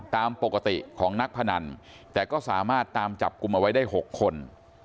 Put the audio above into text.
ตามปกติของนักพนันแต่ก็สามารถตามจับกลุ่มเอาไว้ได้๖คน